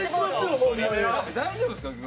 大丈夫ですか？